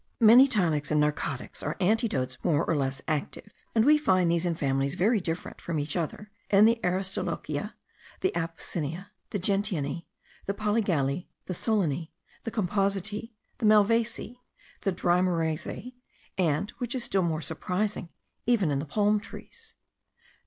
Many tonics and narcotics are antidotes more or less active; and we find these in families very different* from each other, in the aristolochiae, the apocyneae, the gentianae, the polygalae, the solaneae, the compositae, the malvaceae, the drymyrhizeae, and, which is still more surprising, even in the palm trees.